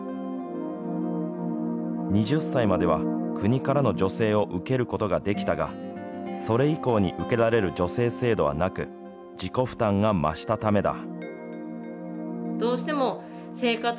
２０歳までは国からの助成を受けることができたが、それ以降に受けられる助成制度はなく、自己負担が増したためだ。